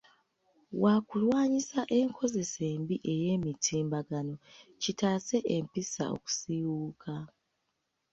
Wa kulwanyisa enkozesa embi ey'emitimbagano, kitaase empisa okusiiwuuka.